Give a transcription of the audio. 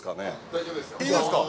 ◆大丈夫ですよ。